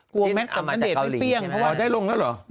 แมทอับณเดชน์ไม่เปรี้ยงเพราะว่าได้ลงแล้วเหรอ